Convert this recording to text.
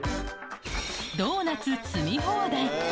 ドーナツ積み放題。